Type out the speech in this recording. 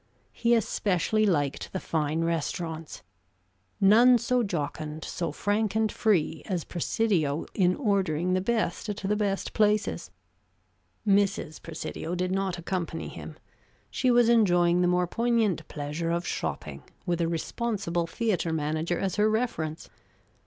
He especially liked the fine restaurants. None so jocund, so frank and free as Presidio in ordering the best at the best places. Mrs. Presidio did not accompany him; she was enjoying the more poignant pleasure of shopping, with a responsible theater manager as her reference!